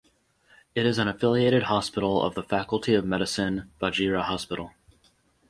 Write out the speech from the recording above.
It is an affiliated hospital of the Faculty of Medicine Vajira Hospital.